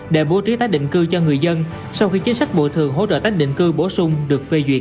để bố trí tái định cư cho người dân sau khi chính sách bộ thường hỗ trợ tách định cư bổ sung được phê duyệt